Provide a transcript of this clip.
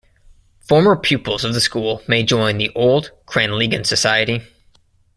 Former pupils of the school may join the Old Cranleighan Society.